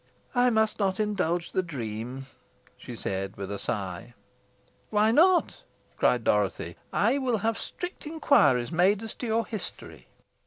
"I must not indulge the dream," she said, with a sigh. "Why not?" cried Dorothy. "I will have strict inquiries made as to your history."